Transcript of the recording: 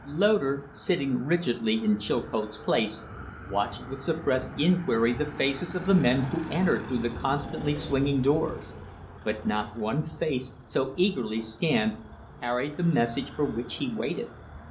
Loder, sitting rigidly in Chilcote's place, watched with suppressed inquiry the faces of the men who entered through the constantly swinging doors; but not one face, so eagerly scanned, carried the message for which he waited.